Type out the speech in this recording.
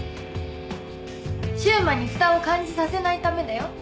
柊磨に負担を感じさせないためだよ。